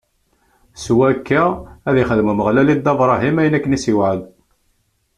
S wakka, ad ixdem Umeɣlal i Dda Bṛahim, ayen akken i s-iwɛed.